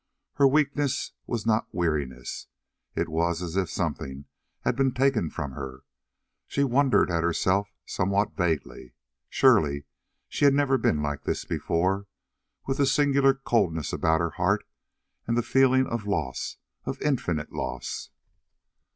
Her weakness was not weariness it was as if something had been taken from her. She wondered at herself somewhat vaguely. Surely she had never been like this before, with the singular coldness about her heart and the feeling of loss, of infinite loss.